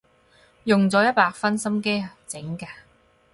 用咗一百分心機整㗎